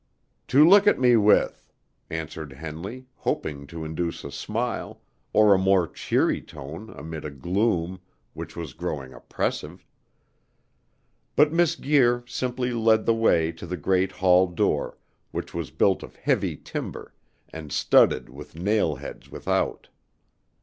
"To look at me with," answered Henley, hoping to induce a smile, or a more cheery tone amid a gloom which was growing oppressive. But Miss Guir simply led the way to the great hall door, which was built of heavy timber, and studded with nail heads without.